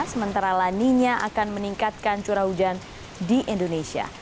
sementara lani nari akan meningkatkan curah hujan di indonesia